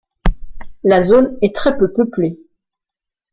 La zone est très peu peuplée.